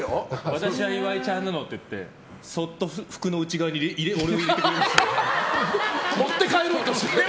私は岩井ちゃんなのって言ってそっと服の内側に入れてくれました。